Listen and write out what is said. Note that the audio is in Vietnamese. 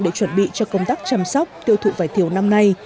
để chuẩn bị cho công tác chăm sóc tiêu thụ vải thiều năm nay